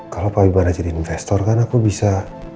kalau pabimana jadi investor kan aku bisa